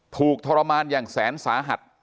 ทรมานอย่างแสนสาหัส